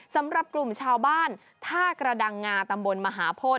สำหรับกลุ่มชาวบ้านท่ากระดังงาตำบลมหาโพธิ